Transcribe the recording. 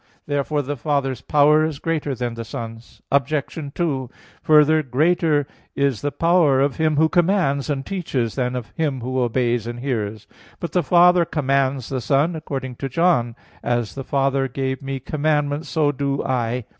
Therefore the Father's power is greater than the Son's. Obj. 2: Further, greater is the power of him who commands and teaches than of him who obeys and hears. But the Father commands the Son according to John 14:31: "As the Father gave Me commandment so do I."